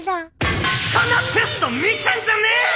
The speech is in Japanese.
人のテスト見てんじゃねえよ！